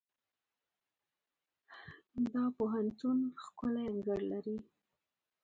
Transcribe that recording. دا پوهنتون ښکلی انګړ لري.